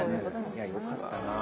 いやよかったな。